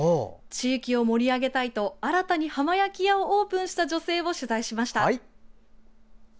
地域を盛り上げたいと新たに浜焼き屋をオープンした女性を取材しました。